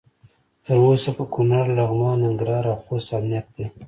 تر اوسه په کنړ، لغمان، ننګرهار او خوست امنیت دی.